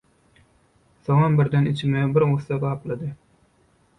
Soñam birden içimi bir gussa gaplady.